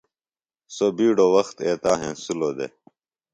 سوۡ بِیڈوۡ وخت ایتا ہینسِلوۡ دےۡ